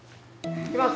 いきます